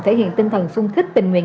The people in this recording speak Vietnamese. thể hiện tinh thần sung thích tình nguyện